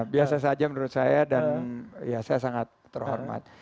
biasa saja menurut saya dan ya saya sangat terhormat